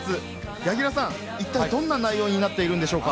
柳楽さん、一体どんな内容になっているんでしょうか？